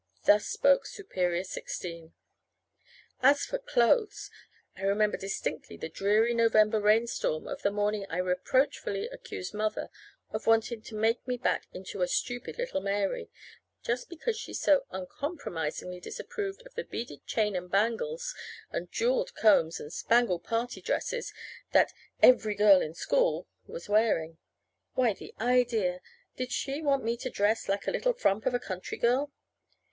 Thus spoke superior sixteen. As for clothes! I remember distinctly the dreary November rainstorm of the morning I reproachfully accused Mother of wanting to make me back into a stupid little Mary, just because she so uncompromisingly disapproved of the beaded chains and bangles and jeweled combs and spangled party dresses that "every girl in school" was wearing. Why, the idea! Did she want me to dress like a little frump of a country girl?